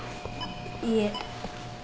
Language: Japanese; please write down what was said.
いいえ。